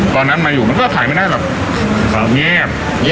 ตอนนั้นมาอยู่ก็ขายแบบเงียบ